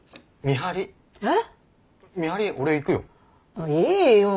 見張り俺行くよ。いいよ。